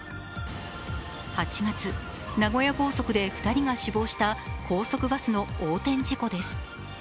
８月名古屋高速で２人が死亡した高速バスの横転事故です。